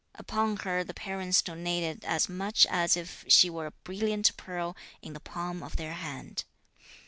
Upon her the parents doated as much as if she were a brilliant pearl in the palm of their hand.